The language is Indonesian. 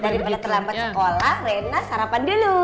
daripada terlambat sekolah rena sarapan dulu